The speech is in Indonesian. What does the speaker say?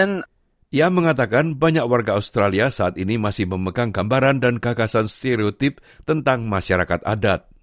ia mengatakan banyak warga australia saat ini masih memegang gambaran dan gagasan stereotip tentang masyarakat adat